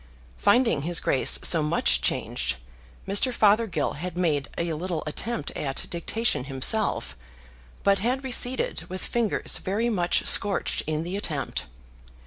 Finding his Grace so much changed, Mr. Fothergill had made a little attempt at dictation himself, but had receded with fingers very much scorched in the attempt.